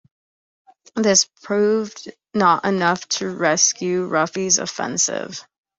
This proved not enough to rescue Ruffey's offensive.